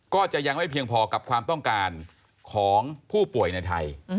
ก็จะยังไม่เพียงพอกับความต้องการของผู้ป่วยในไทย